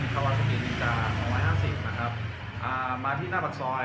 แต่ว่าเมืองนี้ก็ไม่เหมือนกับเมืองอื่น